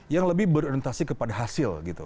yang lebih berorientasi kepada hasil gitu